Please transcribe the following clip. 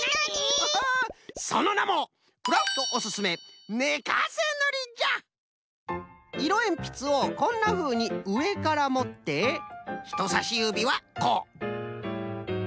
ハハそのなもいろえんぴつをこんなふうにうえからもってひとさしゆびはこう。